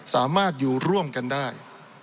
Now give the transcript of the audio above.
สามารถอยู่ร่วมกันได้